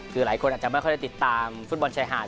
คือหลายคนอาจจะไม่ค่อยได้ติดตามฟุตบอลชายหาด